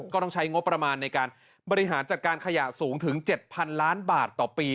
ก็ต้องใช้งบประมาณในการบริหารจัดการขยะสูงถึง๗๐๐ล้านบาทต่อปี